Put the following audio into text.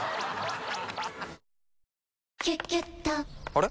あれ？